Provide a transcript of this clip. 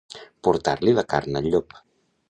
Portar la carn al llop.